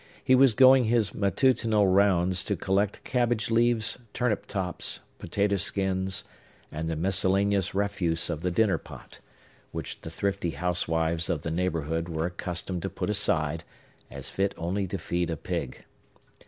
He was going his matutinal rounds to collect cabbage leaves, turnip tops, potato skins, and the miscellaneous refuse of the dinner pot, which the thrifty housewives of the neighborhood were accustomed to put aside, as fit only to feed a pig.